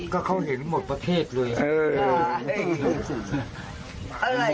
ก็เขาเห็นหมดประเทศเลย